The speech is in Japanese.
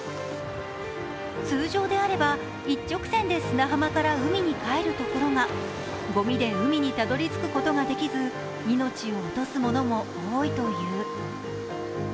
通常であれば一直線で砂浜から海に帰るところがごみで海にたどり着くことができず、命を落とすものも多いという。